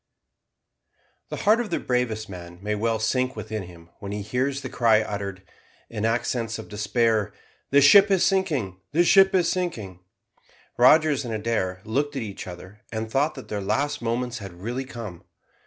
The heart of the bravest man may well sink within him when he hears the cry uttered, in accents of despair, "The ship is sinking, the ship is sinking!" Rogers and Adair looked at each other, and thought that their last moments had really come.